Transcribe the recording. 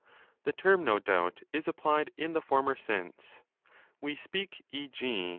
* The term, no doubt, is applied in the former sense: we speak, e.g.